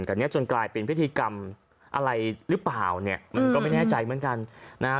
เนี้ยจนกลายเป็นพิธีกรรมอะไรหรือเปล่าเนี่ยมันก็ไม่แน่ใจเหมือนกันนะฮะ